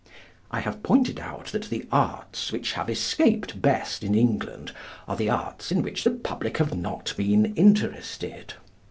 I have pointed out that the arts which have escaped best in England are the arts in which the public have not been interested.